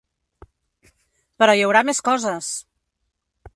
Però hi haurà més coses!